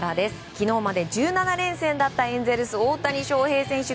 昨日まで１７連戦だったエンゼルス、大谷翔平選手